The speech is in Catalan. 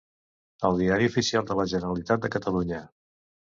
El Diari Oficial de la Generalitat de Catalunya.